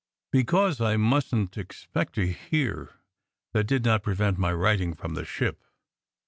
Because I mustn t expect to hear, that did not prevent my writing from the ship.